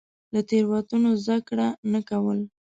له تېروتنو زده کړه نه کول.